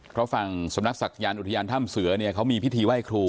เพราะฝั่งสำนักศักยานอุทยานถ้ำเสือเนี่ยเขามีพิธีไหว้ครู